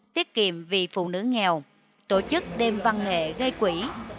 tiết kiệm vì phụ nữ nghèo tổ chức đêm văn nghệ gây quỹ